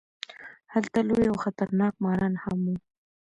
هلته لوی او خطرناک ماران هم وو.